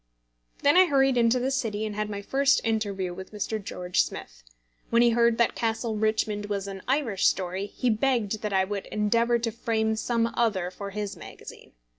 Then I hurried into the City, and had my first interview with Mr. George Smith. When he heard that Castle Richmond was an Irish story, he begged that I would endeavour to frame some other for his magazine.